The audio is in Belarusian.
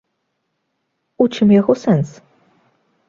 У чым яго сэнс?